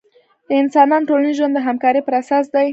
د انسانانو ټولنیز ژوند د همکارۍ پراساس دی.